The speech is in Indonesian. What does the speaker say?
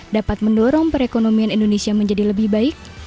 dapat mendorong perekonomian indonesia menjadi lebih baik